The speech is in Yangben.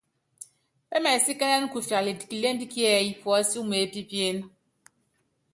Pɛ́mɛsíkɛ́nɛ́nɛ kufialitɛ kilémbi kíɛ́yí puɔ́si umeépípíéne.